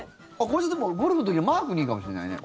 これ、でもゴルフの時にマークにいいかもしれないね。